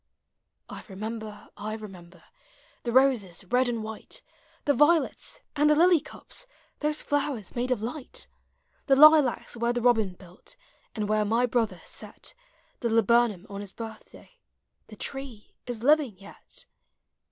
1 remember, I remember The roses, red and white, The violets, and the lily cups. — Those llowers made of light! The lilacs where the robin built, And where my brother set The laburnum on his birthday, — The tree is living yet